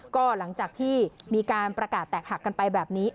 ก็หลังจากที่มีการประกาศแตกหักกันไปแบบนี้